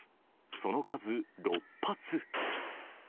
その数、６発。